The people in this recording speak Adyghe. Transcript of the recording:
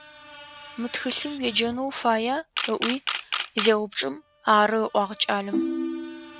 «Мы тхылъым уеджэнэу уфая?», - ыӏуи зеупчӏым, «ары», - ыӏуагъ кӏалэм.